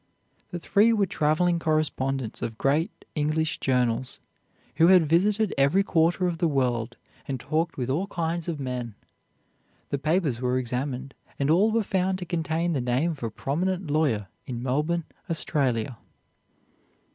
The three were traveling correspondents of great English journals, who had visited every quarter of the world and talked with all kinds of men. The papers were examined and all were found to contain the name of a prominent lawyer in Melbourne, Australia.